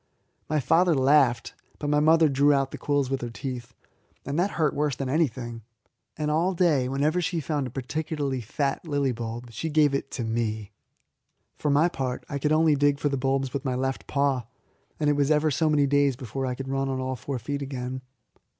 My father laughed, but my mother drew out the quills with her teeth, and that hurt worse than anything; and all day, whenever she found a particularly fat lily bulb, she gave it to me. For my part, I could only dig for the bulbs with my left paw, and it was ever so many days before I could run on all four feet again.